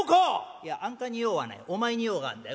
「いやあんかに用はないお前に用があるんだよ。